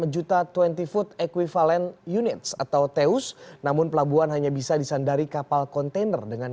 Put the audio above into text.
enam juta dua puluh foot equivalent units atau taus namun pelabuhan hanya bisa disandari kapal again dengan